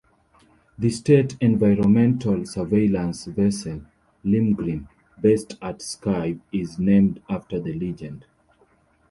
The state environmental surveillance vessel "Limgrim", based at Skive, is named after the legend.